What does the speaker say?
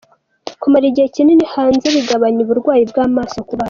Kumara igihe kinini hanze bigabanya uburwayi bw’amaso ku bana